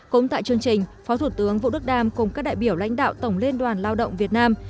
cũng tại chương trình phó thủ tướng vũ đức đam cùng các đại biểu lãnh đạo tổng liên đoàn lao động việt nam